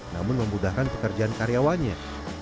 namun memudahkan pekerjaan karyawannya